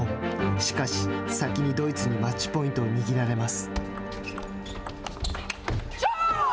しかし、先にドイツにマッチポイントを握られます。